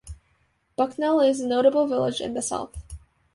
Bucknell is a notable village in the south.